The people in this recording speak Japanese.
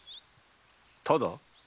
ただ？